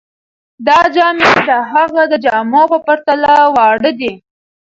دا جامې د هغه د جامو په پرتله واړه دي.